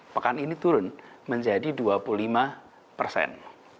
pekan ini turun menjadi dua puluh lima persen